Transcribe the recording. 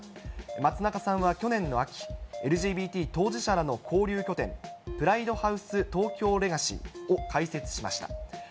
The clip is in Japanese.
松中さんは去年の秋、ＬＧＢＴ当事者らの交流拠点、プライドハウス東京レガシーを開設しました。